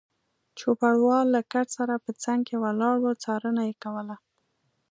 چوپړوال له کټ سره په څنګ کې ولاړ و، څارنه یې کوله.